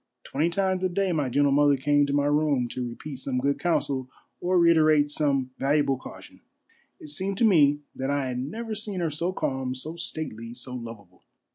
Twenty times a day my gentle mother came to my room to repeat some good counsel or reiterate some valuable caution. It seemed to me that I had never seen her so calm, so stately, so lovable.